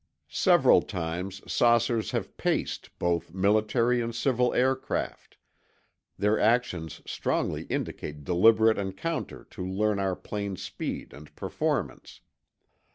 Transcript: Several times saucers have paced both military and civil aircraft; their actions strongly indicate deliberate encounters to learn our planes' speed and performance.